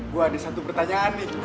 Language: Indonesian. gue ada satu pertanyaan nih